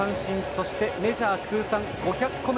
そしてメジャー通算５００個目の三振！